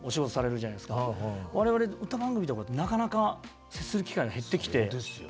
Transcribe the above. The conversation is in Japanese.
我々歌番組とかなかなか接する機会が減ってきて。